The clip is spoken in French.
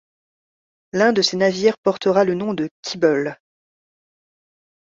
L'un de ces navires portera le nom de Keable.